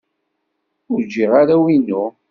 Ur jjiɣ arraw-inu.